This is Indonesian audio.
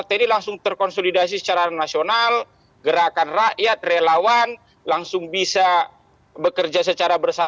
jangan disederhana karena hanya sekedar